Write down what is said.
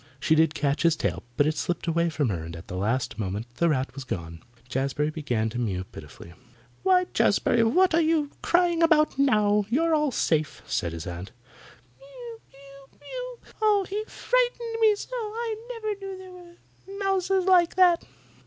She did catch his tail, but it slipped away from her and the next moment the rat was gone. Jazbury began to mew pitifully. "Why, Jazbury, what are you crying about now? You're all safe," said his aunt. "Mew! mew! mew! Oh, he frightened me so! I never knew there were mouses like that!"